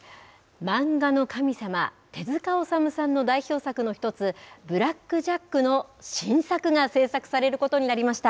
漫画の神様、手塚治虫さんの代表作の一つ、ブラック・ジャックの新作が制作されることになりました。